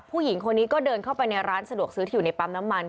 ผู้หญิงคนนี้ก็เดินเข้าไปในร้านสะดวกซื้อที่อยู่ในปั๊มน้ำมัน